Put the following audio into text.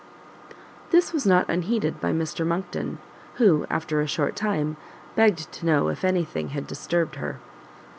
This was not unheeded by Mr Monckton, who, after a short time, begged to know if any thing had disturbed her.